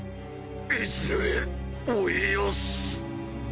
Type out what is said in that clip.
いずれ追いやす。